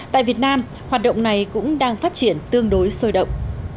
tại việt nam hoạt động này cũng đang phát triển tương đối sôi động